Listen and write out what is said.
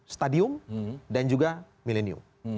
stadium dan juga milenium